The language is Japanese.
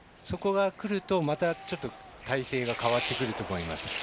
そこがくるとまた態勢が変わってくると思います。